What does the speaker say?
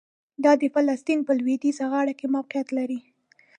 دا د فلسطین په لویدیځه غاړه کې موقعیت لري.